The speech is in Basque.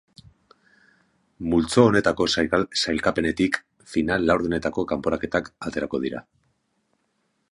Multzo honetako sailkapenetik final-laurdenetako kanporaketak aterako dira.